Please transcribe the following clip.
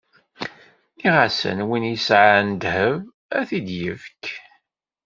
Nniɣ-asen: Win yesɛan ddheb, ad t-id-ifk!